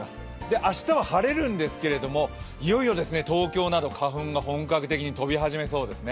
明日は晴れるんですけどもいよいよ東京など花粉など本格的に飛びそうです。